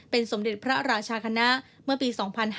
สมเด็จพระราชาคณะเมื่อปี๒๕๕๙